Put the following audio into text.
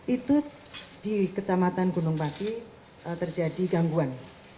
itu di kecamatan gunung pati terjadi gangguan